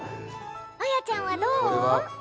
彩ちゃんはどう？